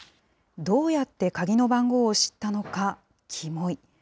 どうやって鍵の番号を知ったのか、きもい。